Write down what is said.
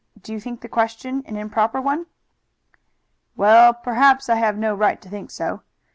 Do you think the question an improper one?" "Well, perhaps I have no right to think so.